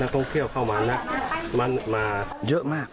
นักท่องเที่ยวเข้ามานักท่องเที่ยวมาเยอะมาก